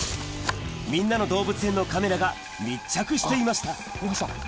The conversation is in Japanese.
『みんなのどうぶつ園』のカメラが密着していました